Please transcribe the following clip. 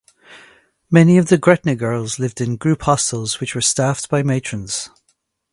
Many of the Gretna Girls lived in group hostels which were staffed by matrons.